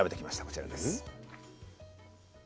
こちらです。